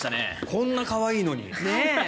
こんな可愛いのに。